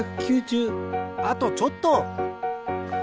あとちょっと！